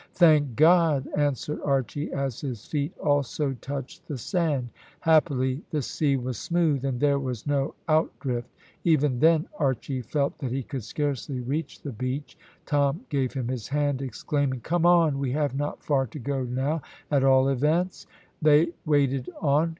"Thank God!" answered Archy, as his feet also touched the sand. Happily the sea was smooth, and there was no outdrift. Even then Archy felt that he could scarcely reach the beach. Tom gave him his hand, exclaiming "Come on; we have not far to go now, at all events." They waded on.